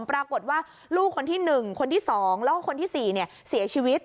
ปรากฏว่าลูกคนที่๑คนที่๒แล้วก็คนที่๔เสียชีวิต